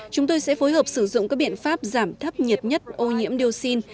chúng tôi sẽ phối hợp sử dụng các biện pháp giảm thấp nhiệt nhất ô nhiễm dioxin